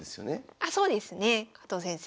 あそうですね。加藤先生